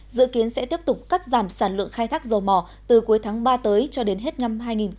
dự kiến sẽ tiếp tục cắt giảm sản lượng khai thác dầu mỏ từ cuối tháng ba tới cho đến hết năm hai nghìn hai mươi